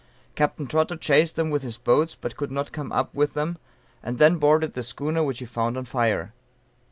Capt. Trotter chased them with his boats, but could not come up with them, and then boarded the schooner which he found on fire.